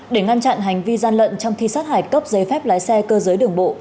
để ngăn chặn hành vi gian lận trong thi sát hại cấp giấy phép lái xe cơ giới đường bộ